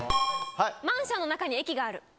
マンションの中に駅がある。